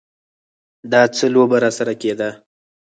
دا څه لوبه راسره کېده.